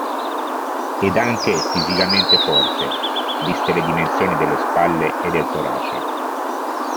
Ed anche fisicamente forte, viste le dimensioni delle spalle e del torace.